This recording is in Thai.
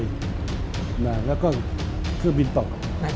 แล้วก็เครื่องบินตก